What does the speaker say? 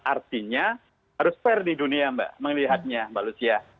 artinya harus fair di dunia mbak melihatnya mbak lucia